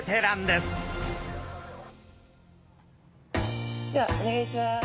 ではお願いします。